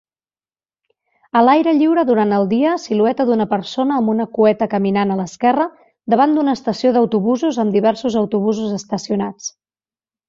A l'aire lliure durant el dia, silueta d'una persona amb una cueta caminant a l'esquerra davant d'una estació d'autobusos amb diversos autobusos estacionats